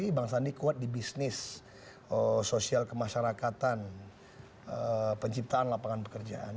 jadi bang sandi kuat di bisnis sosial kemasyarakatan penciptaan lapangan pekerjaan